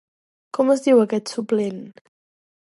Com es diu aquest suplent?